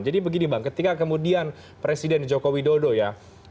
jadi begini bang ketika kemudian presiden joko widodo ya